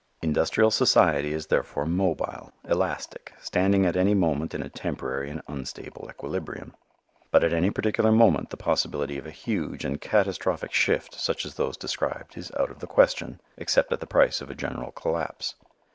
Industrial society is therefore mobile, elastic, standing at any moment in a temporary and unstable equilibrium. But at any particular moment the possibility of a huge and catastrophic shift such as those described is out of the question except at the price of a general collapse.